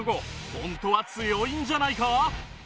ホントは強いんじゃないか？